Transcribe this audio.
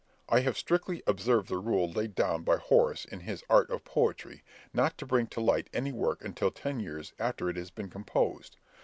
"I have strictly observed the rule laid down by Horace in his Art of Poetry, not to bring to light any work until ten years after it has been composed.